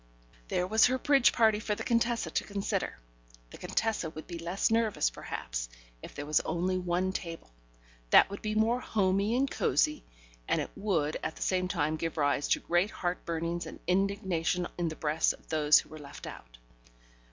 There was her bridge party for the Contessa to consider. The Contessa would be less nervous, perhaps, if there was only one table: that would be more homey and cosy, and it would at the same time give rise to great heart burnings and indignation in the breasts of those who were left out.